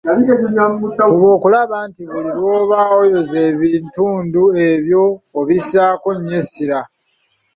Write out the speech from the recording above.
Fuba okulaba nti buli lw'oba oyoza ebitundu ebyo obissaako nnyo essira.